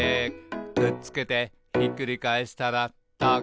「くっつけてひっくり返したらタコ」